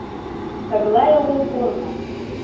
ТЫГЛАЙ ОГЫЛ КОРНО